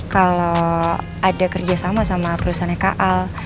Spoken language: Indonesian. kalau ada kerja sama sama perusahaan kaal